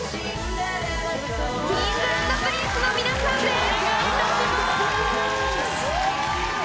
Ｋｉｎｇ＆Ｐｒｉｎｃｅの皆さんです。